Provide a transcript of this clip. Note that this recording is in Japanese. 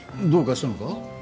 どうかしたのか？